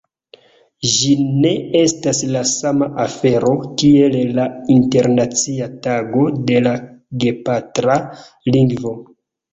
Ĝi ne estas la sama afero kiel la Internacia Tago de la Gepatra Lingvo.